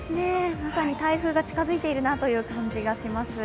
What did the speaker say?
まさに台風が近づいているなという感じがします。